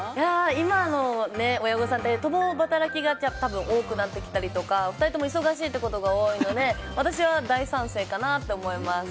今の親御さんって共働きが多くなってきたりとか２人とも忙しいことが多いので私は大賛成かなと思います。